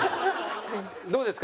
どうですか？